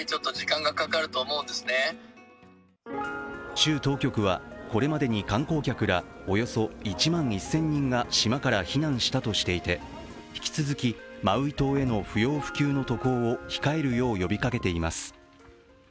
州当局は、これまでに観光客らおよそ１万１０００人が島から避難したとしていて、引き続きマウイ島への不要不急の渡航を控えるよう呼びかけています。